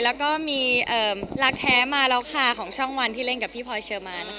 แล้วก็มีรักแท้มาแล้วค่ะของช่องวันที่เล่นกับพี่พลอยเชอร์มานนะคะ